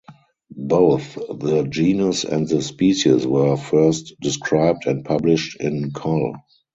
Both the genus and the species were first described and published in Coll.